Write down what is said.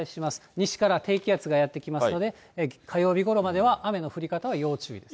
西から低気圧がやって来ますので、火曜日ごろまでは雨の降り方に要注意です。